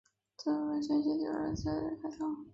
作为温泉地则是起于大正时代的开凿。